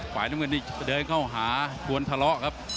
ขวาอย่างน้ำมือนิดเดินเข้าหาชวนทะละครับ